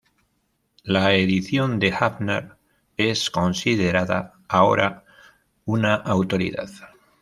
La edición de Hübner es considerada ahora una autoridad.